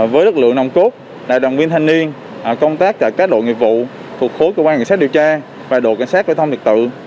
với lực lượng nông cốt đoàn viên thanh niên công tác cả các đội nghiệp vụ thuộc khối cơ quan kiểm soát điều tra và đội kiểm soát vệ thông liệt tự